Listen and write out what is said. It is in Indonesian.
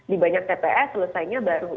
di banyak tps selesainya baru